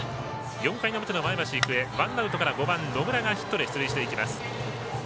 ４回の表の前橋育英ワンアウトから５番の野村がヒットで出塁していきます。